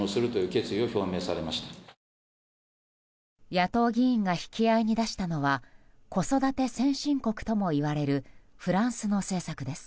野党議員が引き合いに出したのは子育て先進国ともいわれるフランスの政策です。